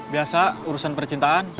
biasa urusan percintaan